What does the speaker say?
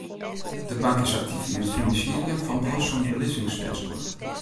De bank is aktyf yn it finansierjen fan duorsum belizzingsfêstguod.